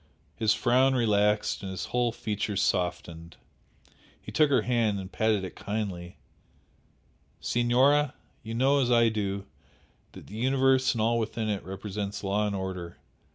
His frown relaxed and his whole features softened. He took her hand and patted it kindly. "Signora, you know as well as I do, that the universe and all within it represents law and order.